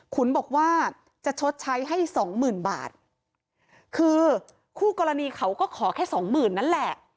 ขุนบอกว่าจะชดใช้ให้สองหมื่นบาทคือคู่กรณีเขาก็ขอแค่สองหมื่นนั่นแหละ